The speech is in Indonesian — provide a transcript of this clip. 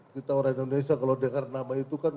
kita orang indonesia kalau dengar nama itu kan